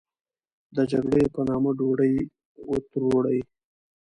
د جګړې په نامه ډوډۍ و تروړي.